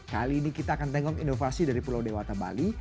kali ini kita akan tengok inovasi dari pulau dewata bali